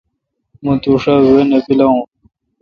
مہ توشا وہ نہ پلاون۔